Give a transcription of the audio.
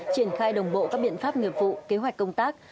triển khai đồng bộ các biện pháp nghiệp vụ kế hoạch công tác